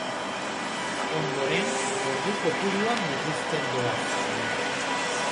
Ondoren, ordu kopurua murrizten doaz.